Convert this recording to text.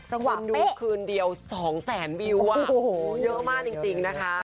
คุณดูคืนเดียว๒แสนวิวเยอะมากจริงนะคะ